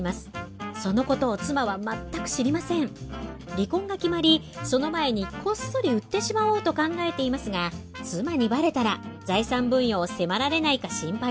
離婚が決まりその前にこっそり売ってしまおうと考えていますが妻にバレたら財産分与を迫られないか心配です。